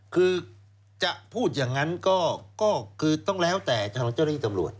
คือจะพูดอย่างนั้นก็คือต้องแล้วแต่ทางเจ้าหน้าที่ตำรวจ